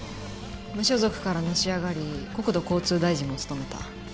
無所属からのし上がり国土交通大臣も務めた。